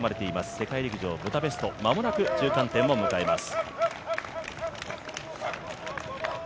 世界陸上ブダペスト、間もなく中間点を迎えます。